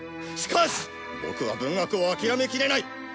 しかしボクは文学を諦めきれない！